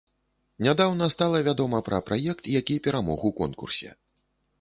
Нядаўна стала вядома пра праект, які перамог у конкурсе.